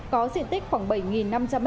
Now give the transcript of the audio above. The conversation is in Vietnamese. có diện tích khoảng bảy năm trăm linh m hai